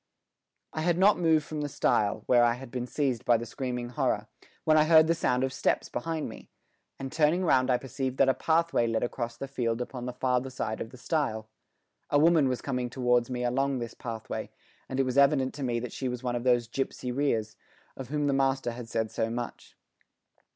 I had not moved from the stile, where I had been seized by the screaming horror, when I heard the sound of steps behind me, and turning round I perceived that a pathway led across the field upon the farther side of the stile. A woman was coming towards me along this pathway, and it was evident to me that she was one of those gipsy Rias, of whom the master has said so much.